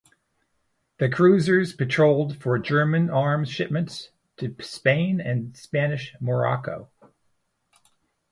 The cruisers patrolled for German arms shipments to Spain and Spanish Morocco.